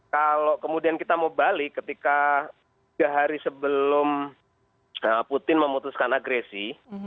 kalau kemudian kita mau balik ketika tiga hari sebelum putin memutuskan agresi